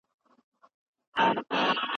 جارج واټسن وايي چي استاد باید لومړۍ مسوده وګوري.